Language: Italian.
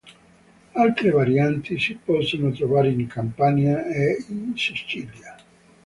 Altre varianti si possono trovare in Campania, e in Sicilia.